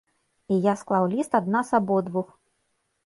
І я склаў ліст ад нас абодвух.